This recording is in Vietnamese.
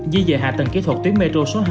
duy dự hạ tầng kỹ thuật tuyến metro số hai